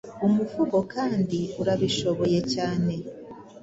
umuvugo kandi urabishoboye cyane.